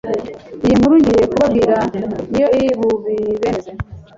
iyi nkuru ngiye kubabwira niyo iri bubibemeze